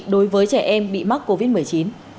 đối với trẻ em bị mắc covid một mươi chín